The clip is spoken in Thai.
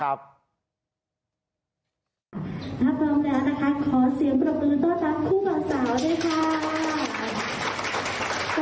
ถ้าพร้อมแล้วนะคะขอเสียงประตูต้อนรับคู่กับสาวด้วยค่ะ